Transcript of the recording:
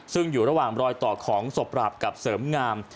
ซึ่งอยู่ระหว่างรอยต่อของศพปราบกับเสริมงาม